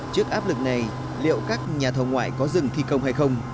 trước áp lực này liệu các nhà thầu ngoại có dừng thi công hay không